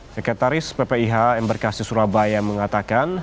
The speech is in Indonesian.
sekretaris ppih embarkasi surabaya mengatakan